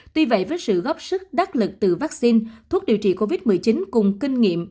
tuy vậy với sự góp sức đắc lực từ vaccine thuốc điều trị covid một mươi chín cùng kinh nghiệm